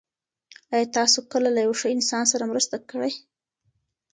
آیا تاسو کله له یو ښه انسان سره مرسته کړې؟